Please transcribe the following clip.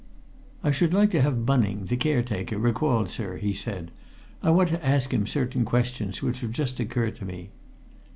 "I should like to have Bunning, the caretaker, recalled, sir," he said. "I want to ask him certain questions which have just occurred to me.